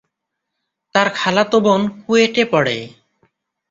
তার খালাতো বোন কুয়েটে পড়ে।